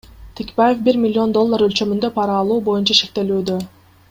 Текебаев бир миллион доллар өлчөмүндө пара алуу боюнча шектелүүдө.